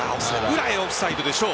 裏へ、オフサイドでしょう。